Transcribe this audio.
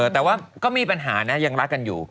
แต่ว่าก็มีปัญหานะยังรักกันอยู่